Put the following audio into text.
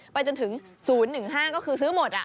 ไปจนถึง๐๑๕ก็คือซื้อหมด